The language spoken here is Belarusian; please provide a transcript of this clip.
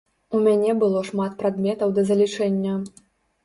У мяне было шмат прадметаў да залічэння.